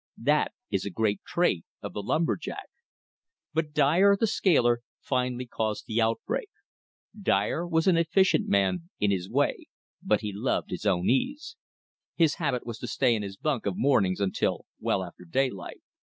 That is a great trait of the lumber jack. But Dyer, the scaler, finally caused the outbreak. Dyer was an efficient enough man in his way, but he loved his own ease. His habit was to stay in his bunk of mornings until well after daylight.